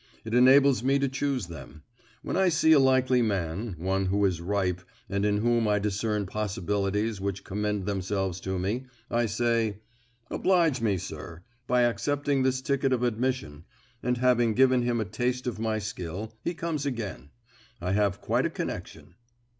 It enables me to choose them. When I see a likely man, one who is ripe, and in whom I discern possibilities which commend themselves to me, I say, 'Oblige me, sir, by accepting this ticket of admission;' and having given him a taste of my skill, he comes again. I have quite a connection."